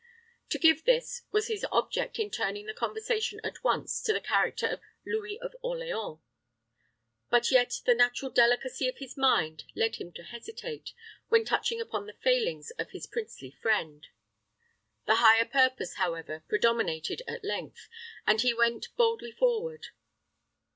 To give this, was his object in turning the conversation at once to the character of Louis of Orleans; but yet the natural delicacy of his mind led him to hesitate, when touching upon the failings of his princely friend. The higher purpose, however, predominated at length, and he went boldly forward.